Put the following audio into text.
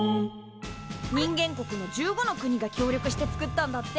人間国の１５の国が協力してつくったんだって。